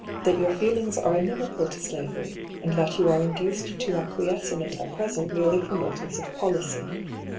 •'■•<•■•■■ 174 ings are inimical to slavery, and that you are induced to acquiesce in it at present merely from motives of policy.